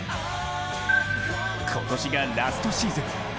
今年がラストシーズン。